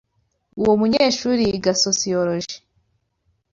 Uwo munyeshuri yiga sociologie.